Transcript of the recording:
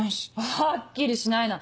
はっきりしないな。